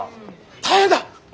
大変だ！